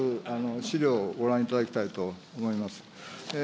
資料をご覧いただきたいと思います。